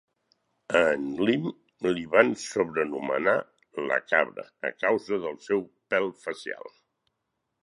A en Linn li van sobrenomenar "la Cabra" a causa del seu pèl facial.